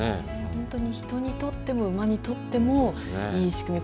本当に人にとっても、馬にとってもいい仕組み。